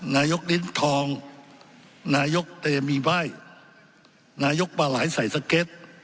นายกลิ้นทองนายกเตมีใบ้นายกปลาไหลใส่สเก็ต